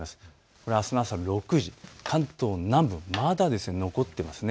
これはあすの朝６時、関東南部、まだ残っていますね。